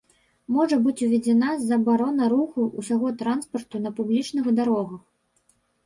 Можа быць уведзеная забарона руху усяго транспарту на публічных дарогах.